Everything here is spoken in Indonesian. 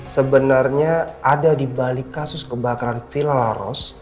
sebenernya ada dibalik kasus kebakaran villa laros